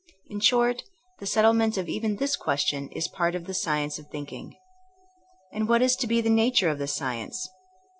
In short, the settle ment of even this question is part of the science of thinking. And what is to be the nature of this sci ence?